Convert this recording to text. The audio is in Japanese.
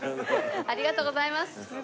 ありがとうございます。